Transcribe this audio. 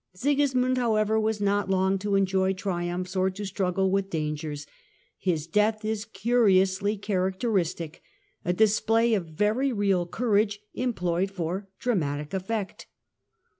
Sigismund, however, was not long to enjoy triumphs or to struggle with dangers. His death is curi ously characteristic ; a display of very real courage em ployed for dramatic effect.